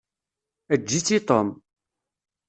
Eǧǧ-itt i Tom.